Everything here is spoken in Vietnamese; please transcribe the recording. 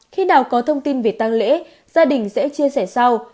khi nào có thông tin về tăng lễ gia đình sẽ chia sẻ sau